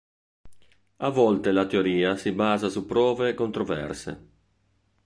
A volte la teoria si basa su prove controverse.